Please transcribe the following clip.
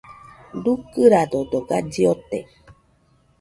Dukɨradodo galli ote.